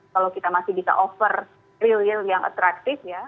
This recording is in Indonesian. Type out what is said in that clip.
kalau kita masih bisa offer real yield yang atraktif ya